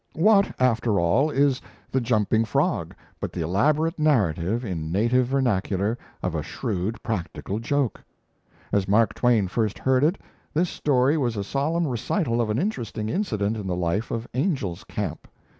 What, after all, is 'The Jumping Frog' but the elaborate narrative, in native vernacular, of a shrewd practical joke? As Mark Twain first heard it, this story was a solemn recital of an interesting incident in the life of Angel's Camp.